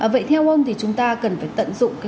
vậy theo ông thì chúng ta cần phải tận dụng